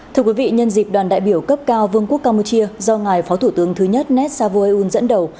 thưa quý vị nhân dịp đoàn đại biểu cấp cao vương quốc campuchia do ngài phó thủ tướng thứ nhất nét savoyun dẫn đầu